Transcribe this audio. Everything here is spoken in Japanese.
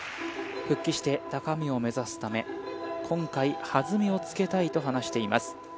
復帰して高みを目指すため今回はずみをつけたいと話しています